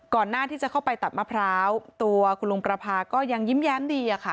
หน้าที่จะเข้าไปตัดมะพร้าวตัวคุณลุงประพาก็ยังยิ้มแย้มดีอะค่ะ